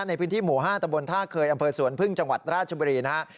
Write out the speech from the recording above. ในพื้นที่หมู่๕ตะบนท่าเคยอำเภอสวนพึ่งจังหวัดราชบุรีนะครับ